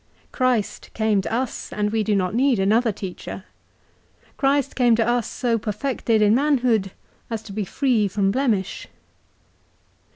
Christ came to us, and we do not need another teacher. Christ came to us so perfected in manhood as to be free from blemish.